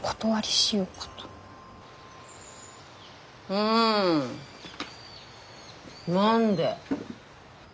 うん何で？